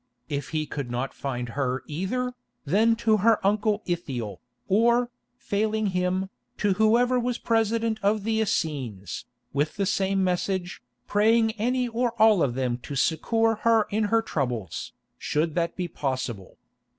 If he could not find her either, then to her uncle Ithiel, or, failing him, to whoever was president of the Essenes, with the same message, praying any or all of them to succour her in her troubles, should that be possible.